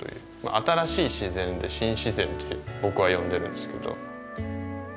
新しい自然で「新自然」って僕は呼んでるんですけど。